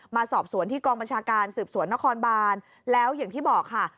มาสอบสวนที่กองบัญชาการสืบสวนนครบานแล้วอย่างที่บอกค่ะ